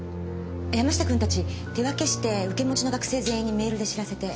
山下君たち手分けして受け持ちの学生全員にメールで知らせて。